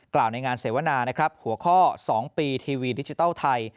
ในงานเสวนานะครับหัวข้อ๒ปีทีวีดิจิทัลไทย